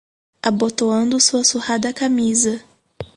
Abotoando sua surrada camisa